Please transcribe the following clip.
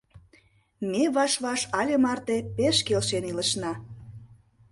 Ме ваш-ваш але марте пеш келшен илышна.